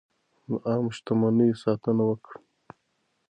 د عامه شتمنیو ساتنه وکړئ.